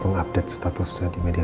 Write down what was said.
mengupdate statusnya di media